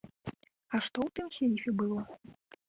А што ў тым сейфе было?